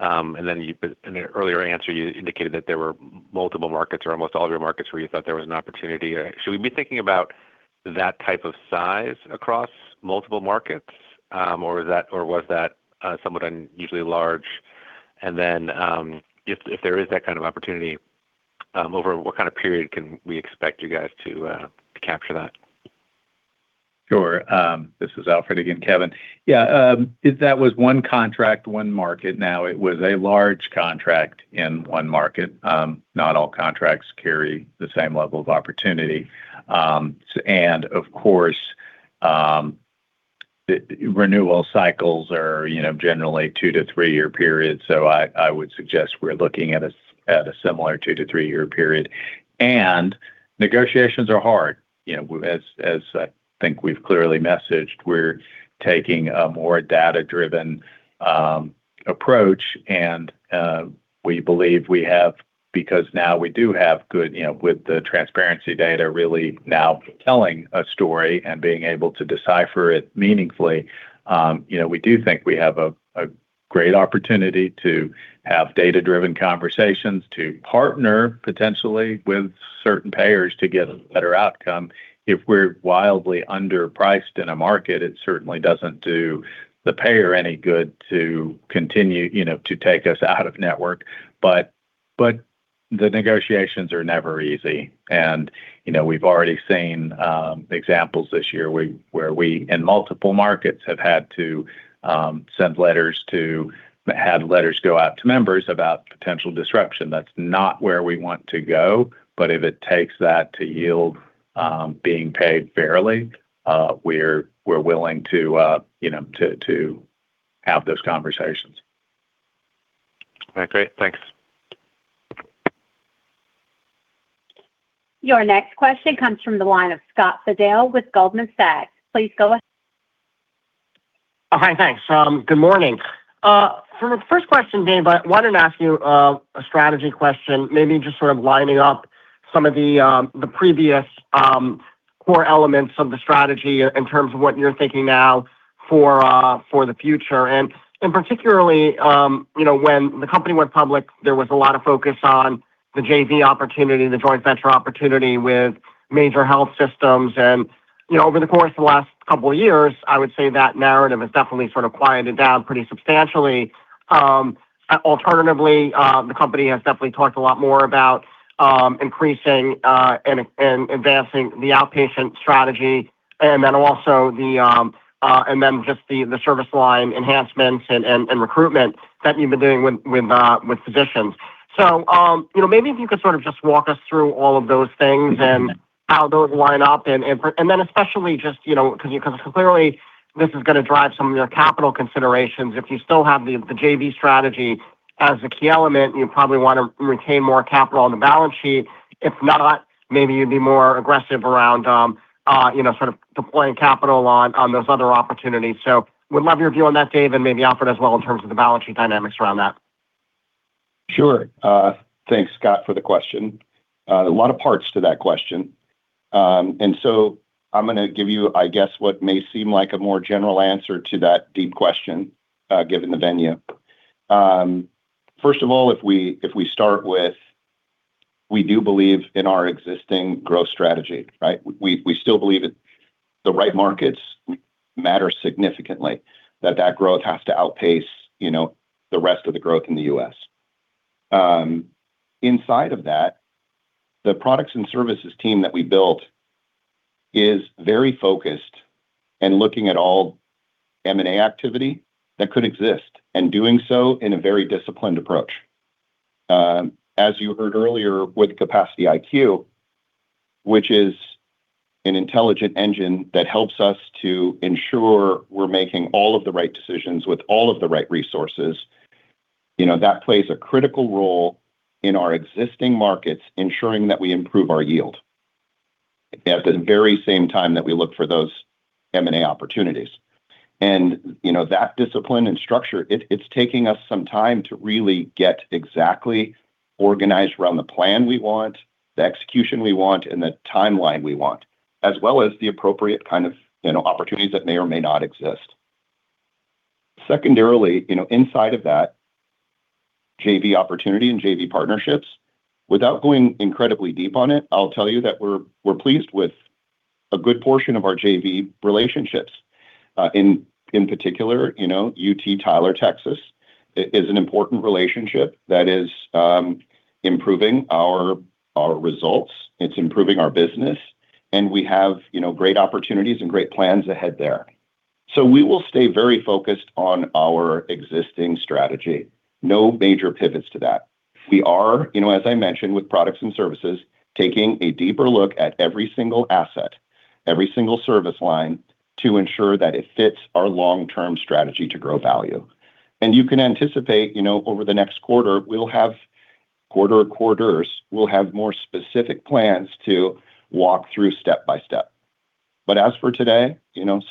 In an earlier answer, you indicated that there were multiple markets or almost all of your markets where you thought there was an opportunity. Should we be thinking about that type of size across multiple markets? Was that somewhat unusually large? If there is that kind of opportunity, over what kind of period can we expect you guys to capture that? Sure. This is Alfred again, Kevin. That was one contract, one market. Now it was a large contract in one market. Not all contracts carry the same level of opportunity. Of course, the renewal cycles are generally two-to-three-year periods, I would suggest we're looking at a similar two-to-three-year period. Negotiations are hard. As I think we've clearly messaged, we're taking a more data-driven approach and we believe we have, because now we do have good, with the transparency data really now telling a story and being able to decipher it meaningfully, we do think we have a great opportunity to have data-driven conversations, to partner potentially with certain payers to get a better outcome. If we're wildly underpriced in a market, it certainly doesn't do the payer any good to continue to take us out of network. The negotiations are never easy. We've already seen examples this year where we, in multiple markets, have had to send letters to, have letters go out to members about potential disruption. That's not where we want to go, if it takes that to yield being paid fairly, we're willing to have those conversations. Okay, great. Thanks. Your next question comes from the line of Scott Fidel with Goldman Sachs. Please go ahead. Hi. Thanks. Good morning. For the first question, Dave, I wanted to ask you a strategy question, maybe just sort of lining up some of the previous core elements of the strategy in terms of what you're thinking now for the future. Particularly, when the company went public, there was a lot of focus on the JV opportunity, the joint venture opportunity with major health systems. Over the course of the last couple of years, I would say that narrative has definitely sort of quieted down pretty substantially. Alternatively, the company has definitely talked a lot more about increasing and advancing the outpatient strategy. Then just the service line enhancements and recruitment that you've been doing with physicians. Maybe if you could sort of just walk us through all of those things and how those line up especially just, because clearly this is going to drive some of your capital considerations. If you still have the JV strategy as a key element, you probably want to retain more capital on the balance sheet. If not, maybe you'd be more aggressive around sort of deploying capital on those other opportunities. Would love your view on that, Dave, and maybe Alfred as well in terms of the balance sheet dynamics around that. Sure. Thanks, Scott, for the question. A lot of parts to that question. I'm going to give you, I guess, what may seem like a more general answer to that deep question, given the venue. First of all, if we start with, we do believe in our existing growth strategy, right? We still believe that the right markets matter significantly, that that growth has to outpace the rest of the growth in the U.S. Inside of that, the Products and Services team that we built is very focused and looking at all M&A activity that could exist, and doing so in a very disciplined approach. As you heard earlier with Capacity IQ, which is an intelligent engine that helps us to ensure we're making all of the right decisions with all of the right resources, that plays a critical role in our existing markets, ensuring that we improve our yield at the very same time that we look for those M&A opportunities. That discipline and structure, it's taking us some time to really get exactly organized around the plan we want, the execution we want, and the timeline we want, as well as the appropriate kind of opportunities that may or may not exist. Secondarily, inside of that JV opportunity and JV partnerships, without going incredibly deep on it, I'll tell you that we're pleased with a good portion of our JV relationships. In particular, UT Tyler, Texas, is an important relationship that is improving our results. It's improving our business. We have great opportunities and great plans ahead there. We will stay very focused on our existing strategy. No major pivots to that. We are, as I mentioned, with Products and Services, taking a deeper look at every single asset, every single service line to ensure that it fits our long-term strategy to grow value. You can anticipate, over the next quarter, we'll have, quarter or quarters, we'll have more specific plans to walk through step by step. As for today,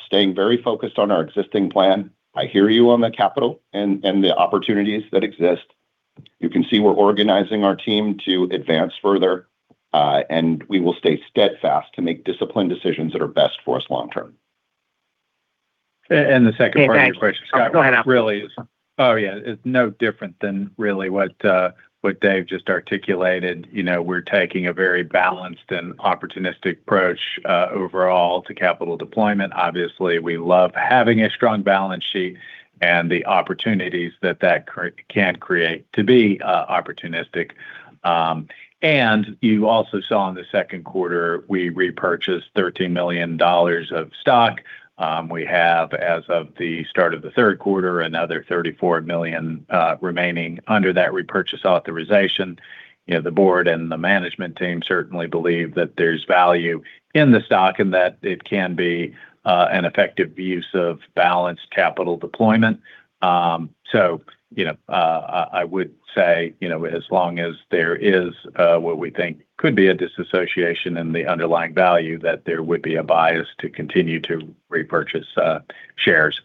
staying very focused on our existing plan. I hear you on the capital and the opportunities that exist. You can see we're organizing our team to advance further. We will stay steadfast to make disciplined decisions that are best for us long term. The second part of your question, Scott. Go ahead, Alfred. really is no different than really what Dave just articulated. We're taking a very balanced and opportunistic approach overall to capital deployment. Obviously, we love having a strong balance sheet and the opportunities that that can create to be opportunistic. You also saw in the second quarter, we repurchased $13 million of stock. We have, as of the start of the third quarter, another $34 million remaining under that repurchase authorization. The board and the management team certainly believe that there's value in the stock and that it can be an effective use of balanced capital deployment. I would say, as long as there is what we think could be a disassociation in the underlying value, that there would be a bias to continue to repurchase shares.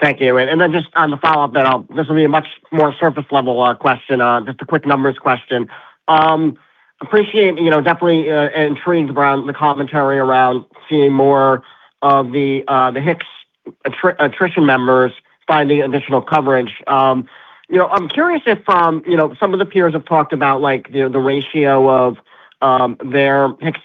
Thank you. Just on the follow-up, this will be a much more surface level question, just a quick numbers question. Appreciate, definitely intrigued around the commentary around seeing more of the HIX attrition members finding additional coverage. I'm curious if some of the peers have talked about the ratio of their HIX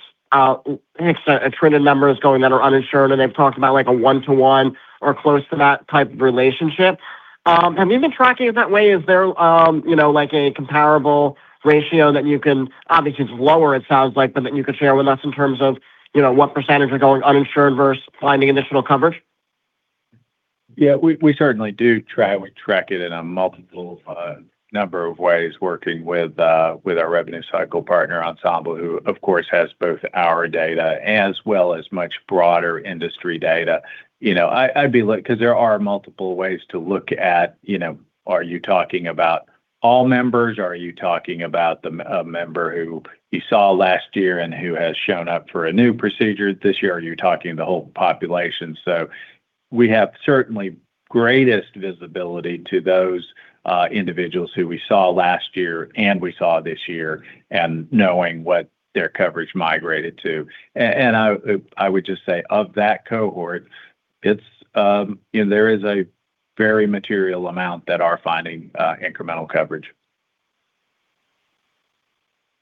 attrition members going that are uninsured, and they've talked about like a one-to-one or close to that type of relationship. Have you been tracking it that way? Is there a comparable ratio that you can, obviously it's lower, it sounds like, but that you could share with us in terms of what percentage are going uninsured versus finding additional coverage? We certainly do track it in a multiple number of ways, working with our revenue cycle partner, Ensemble, who of course has both our data as well as much broader industry data. There are multiple ways to look at are you talking about all members? Are you talking about a member who you saw last year and who has shown up for a new procedure this year? Are you talking the whole population? We have certainly greatest visibility to those individuals who we saw last year and we saw this year, and knowing what their coverage migrated to. I would just say, of that cohort, there is a very material amount that are finding incremental coverage.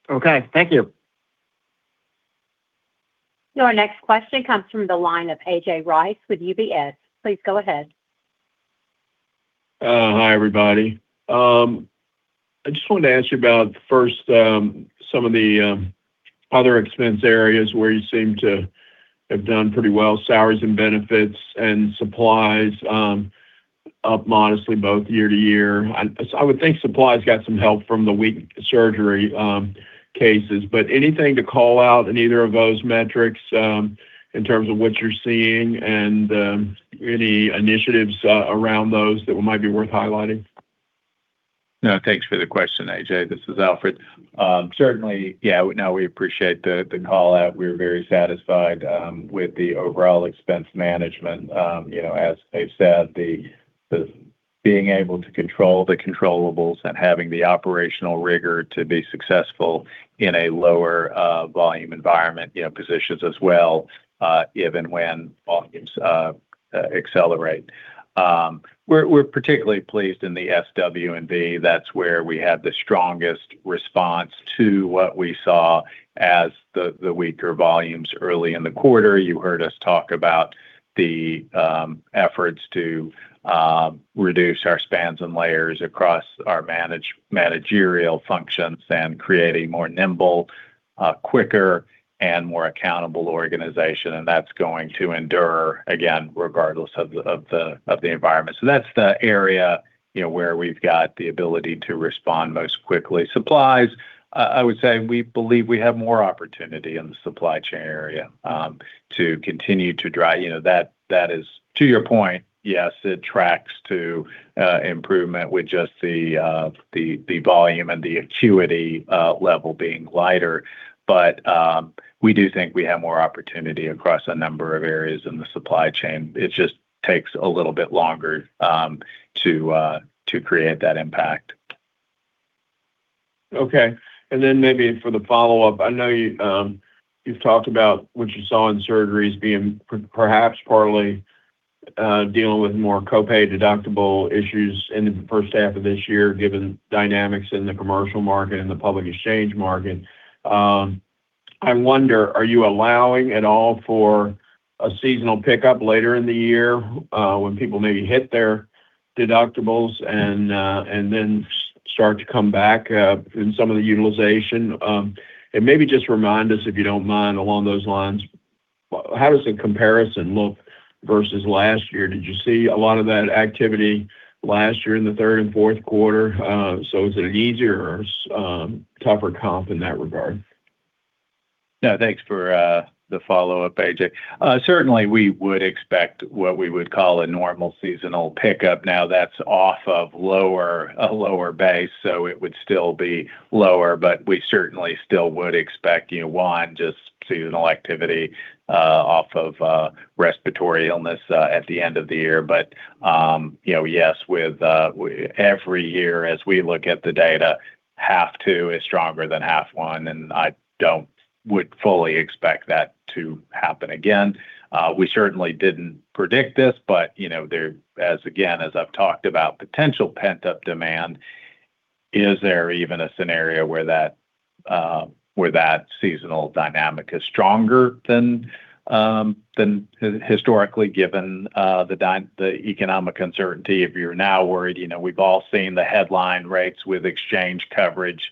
Thank you. Your next question comes from the line of A.J. Rice with UBS. Please go ahead. Hi, everybody. I just wanted to ask you about, first, some of the other expense areas where you seem to have done pretty well. Salaries and benefits and supplies up modestly both year-over-year. I would think supplies got some help from the weak surgery cases, anything to call out in either of those metrics in terms of what you're seeing and any initiatives around those that might be worth highlighting? No, thanks for the question, A.J. This is Alfred. Certainly, yeah, no, we appreciate the call out. We're very satisfied with the overall expense management. As Dave said, being able to control the controllables and having the operational rigor to be successful in a lower volume environment positions us well, even when volumes accelerate. We're particularly pleased in the SW&B. That's where we had the strongest response to what we saw as the weaker volumes early in the quarter. You heard us talk about the efforts to reduce our spans and layers across our managerial functions and create a more nimble, quicker, and more accountable organization. That's going to endure, again, regardless of the environment. That's the area where we've got the ability to respond most quickly. Supplies, I would say we believe we have more opportunity in the supply chain area to continue to drive. That is, to your point, yes, it tracks to improvement with just the volume and the acuity level being lighter. We do think we have more opportunity across a number of areas in the supply chain. It just takes a little bit longer to create that impact. Okay. Maybe for the follow-up, I know you've talked about what you saw in surgeries being perhaps partly dealing with more co-pay deductible issues in the first half of this year, given dynamics in the commercial market and the public exchange market. I wonder, are you allowing at all for a seasonal pickup later in the year when people maybe hit their deductibles and then start to come back in some of the utilization? And maybe just remind us, if you don't mind, along those lines, how does the comparison look versus last year? Did you see a lot of that activity last year in the third and fourth quarter? Is it an easier or tougher comp in that regard? Thanks for the follow-up, A.J. Certainly, we would expect what we would call a normal seasonal pickup. That's off of a lower base, so it would still be lower, but we certainly still would expect, one, just seasonal activity off of respiratory illness at the end of the year. Yes, with every year as we look at the data, half two is stronger than half one, I would fully expect that to happen again. We certainly didn't predict this, again, as I've talked about potential pent-up demand, is there even a scenario where that seasonal dynamic is stronger than historically given the economic uncertainty. If you're now worried, we've all seen the headline rates with exchange coverage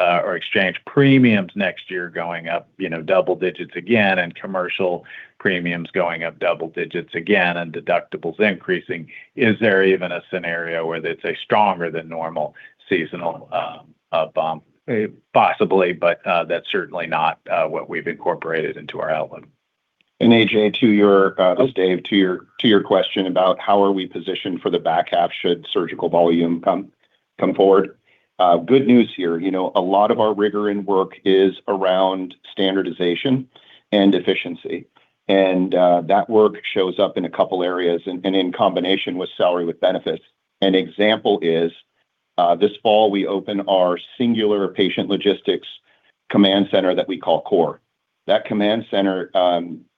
or exchange premiums next year going up double digits again, commercial premiums going up double digits again and deductibles increasing. Is there even a scenario where they'd say stronger than normal seasonal bump? Possibly, that's certainly not what we've incorporated into our outlook. A.J., to your- Oh. It's Dave, to your question about how are we positioned for the back half should surgical volume come forward. Good news here. A lot of our rigor and work is around standardization and efficiency. That work shows up in a couple areas and in combination with salary with benefits. An example is, this fall, we open our singular patient logistics command center that we call CORE. That command center,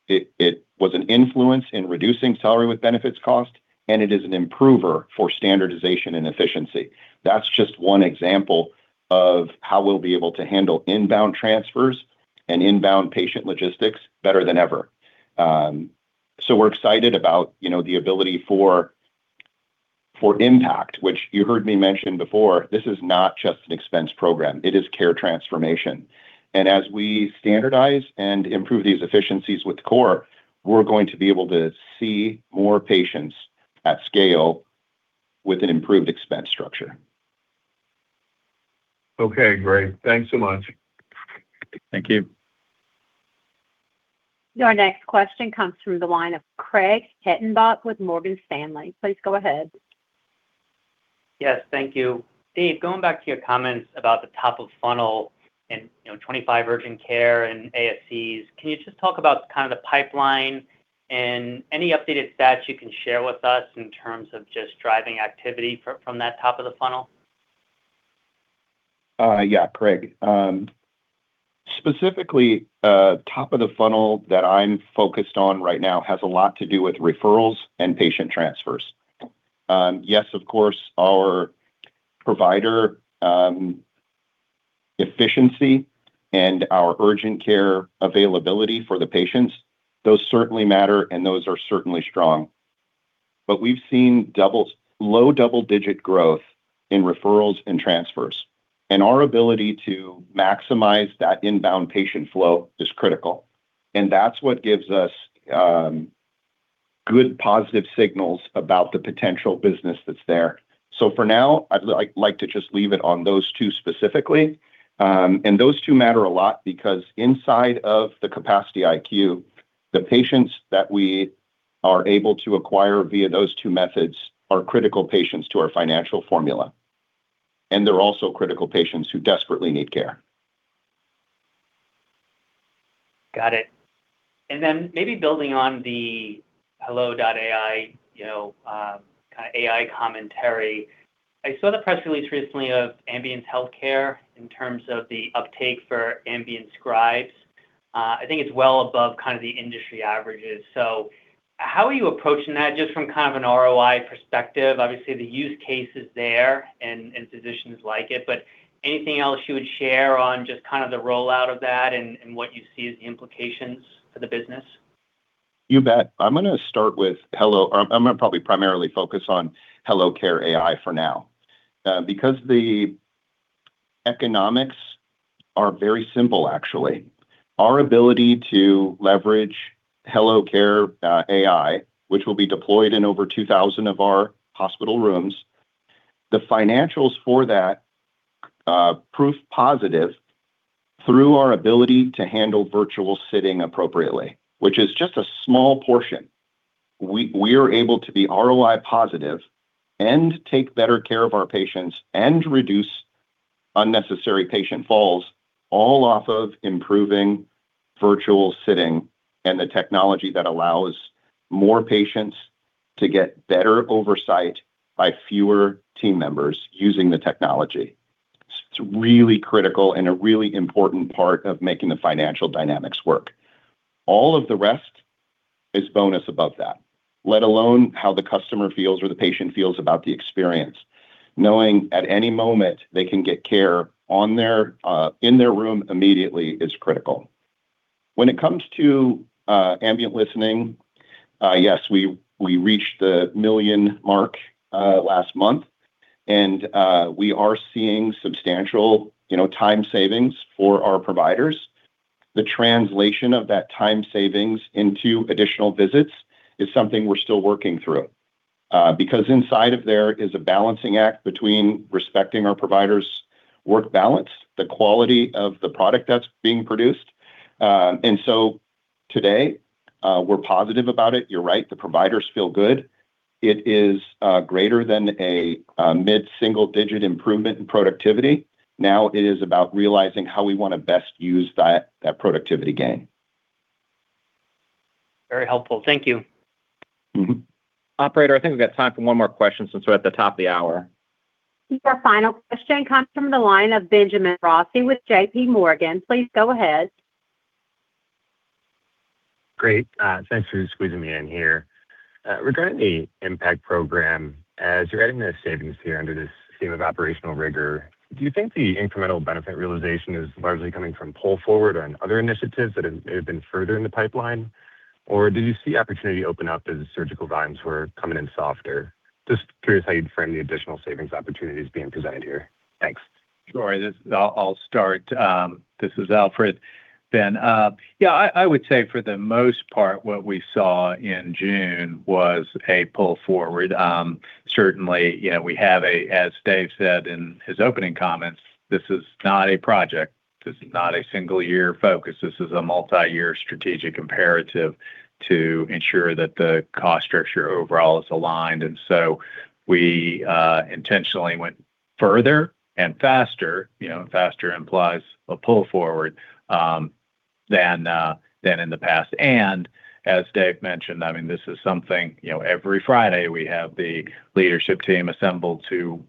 it was an influence in reducing salary with benefits cost, and it is an improver for standardization and efficiency. That's just one example of how we'll be able to handle inbound transfers and inbound patient logistics better than ever. We're excited about the ability for IMPACT, which you heard me mention before. This is not just an expense program. It is care transformation. As we standardize and improve these efficiencies with CORE, we're going to be able to see more patients at scale with an improved expense structure. Okay, great. Thanks so much. Thank you. Your next question comes through the line of Craig Hettenbach with Morgan Stanley. Please go ahead. Yes, thank you. Dave, going back to your comments about the top of funnel and 25 urgent care and ASCs, can you just talk about kind of the pipeline and any updated stats you can share with us in terms of just driving activity from that top of the funnel? Yeah, Craig. Specifically, top of the funnel that I'm focused on right now has a lot to do with referrals and patient transfers. Yes, of course, our provider efficiency and our urgent care availability for the patients, those certainly matter, and those are certainly strong. We've seen low double-digit growth in referrals and transfers. Our ability to maximize that inbound patient flow is critical, and that's what gives us good positive signals about the potential business that's there. For now, I'd like to just leave it on those two specifically. Those two matter a lot because inside of the Capacity IQ, the patients that we are able to acquire via those two methods are critical patients to our financial formula, and they're also critical patients who desperately need care. Got it. Then maybe building on the hellocare.ai, AI commentary. I saw the press release recently of Ambience Healthcare in terms of the uptake for ambient scribes. I think it's well above the industry averages. How are you approaching that, just from an ROI perspective? Obviously, the use case is there and physicians like it, but anything else you would share on just the rollout of that and what you see as the implications for the business? You bet. I'm going to probably primarily focus on hellocare.ai for now. The economics are very simple, actually. Our ability to leverage hellocare.ai, which will be deployed in over 2,000 of our hospital rooms, the financials for that proof positive through our ability to handle virtual sitting appropriately, which is just a small portion. We are able to be ROI positive and take better care of our patients and reduce unnecessary patient falls, all off of improving virtual sitting and the technology that allows more patients to get better oversight by fewer team members using the technology. It's really critical and a really important part of making the financial dynamics work. All of the rest is bonus above that, let alone how the customer feels or the patient feels about the experience. Knowing at any moment they can get care in their room immediately is critical. When it comes to ambient listening, yes, we reached the million mark last month, we are seeing substantial time savings for our providers. The translation of that time savings into additional visits is something we're still working through. Inside of there is a balancing act between respecting our providers' work balance, the quality of the product that's being produced. Today, we're positive about it. You're right, the providers feel good. It is greater than a mid-single digit improvement in productivity. Now it is about realizing how we want to best use that productivity gain. Very helpful. Thank you. Operator, I think we've got time for one more question since we're at the top of the hour. Our final question comes from the line of Benjamin Rossi with JPMorgan. Please go ahead. Great. Thanks for squeezing me in here. Regarding the IMPACT program, as you're adding those savings here under this scheme of operational rigor, do you think the incremental benefit realization is largely coming from pull forward on other initiatives that had been further in the pipeline, or did you see opportunity open up as surgical volumes were coming in softer? Just curious how you'd frame the additional savings opportunities being presented here. Thanks. Sure. I'll start. This is Alfred. Ben, yeah, I would say for the most part, what we saw in June was a pull forward. Certainly, we have, as Dave said in his opening comments, this is not a project. This is not a single year focus. This is a multi-year strategic imperative to ensure that the cost structure overall is aligned. We intentionally went further and faster implies a pull forward, than in the past. As Dave mentioned, this is something, every Friday, we have the leadership team assembled to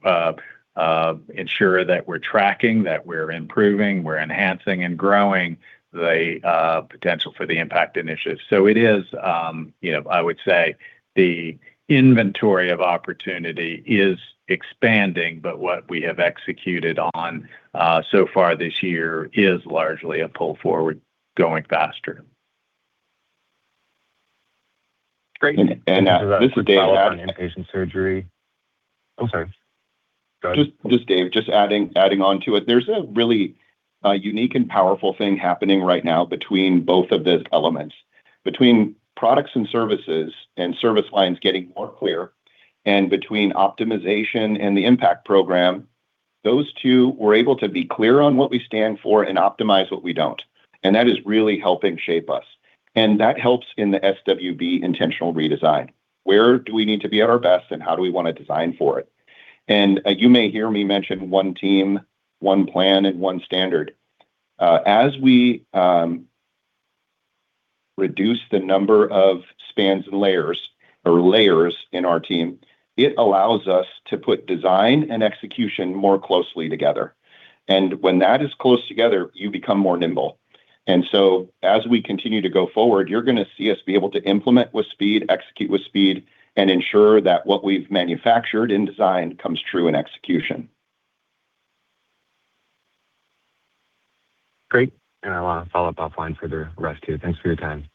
ensure that we're tracking, that we're improving, we're enhancing, and growing the potential for the IMPACT initiatives. It is, I would say, the inventory of opportunity is expanding, but what we have executed on so far this year is largely a pull forward, going faster. Great. This is Dave. Thanks for that. I'll follow up on inpatient surgery. I'm sorry. Go ahead. Just Dave. Just adding onto it. There's a really unique and powerful thing happening right now between both of those elements. Between Products and Services, and service lines getting more clear, and between optimization and the IMPACT program, those two were able to be clear on what we stand for and optimize what we don't, and that is really helping shape us. That helps in the SWB intentional redesign. Where do we need to be at our best, and how do we want to design for it? You may hear me mention one team, one plan, and one standard. As we reduce the number of spans and layers or layers in our team, it allows us to put design and execution more closely together. When that is close together, you become more nimble. As we continue to go forward, you're going to see us be able to implement with speed, execute with speed, and ensure that what we've manufactured and designed comes true in execution. Great. I want to follow up offline for the rest, too. Thanks for your time.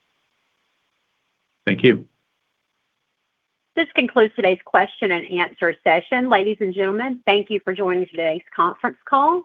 Thank you. This concludes today's question-and-answer session. Ladies and gentlemen, thank you for joining today's conference call.